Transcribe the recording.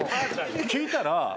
聞いたら。